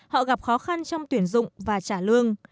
họ gặp khó khăn trong tuyển dụng và trả lương